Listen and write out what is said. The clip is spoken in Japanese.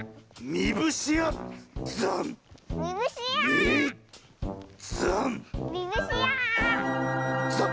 みぶしあ！